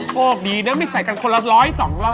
โชคดีนะไม่ใส่กันคนละร้อยสองร้อย